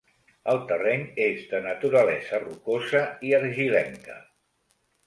El terreny és de naturalesa rocosa i argilenca.